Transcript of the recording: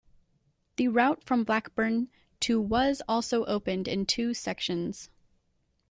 The route from Blackburn to was also opened in two sections.